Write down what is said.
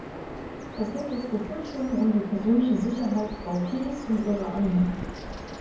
Es gibt jetzt Befürchtungen um die persönliche Sicherheit Frau Kyis und ihrer Anhänger.